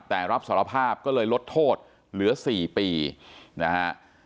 แต่รับสารภาพก็เลยลดโทษเหลือ๔ปีนะฮะ